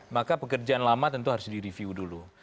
maka pekerjaan lama tentu harus direview dulu